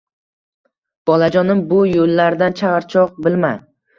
Bolajonim bu yullarda charchoq bilma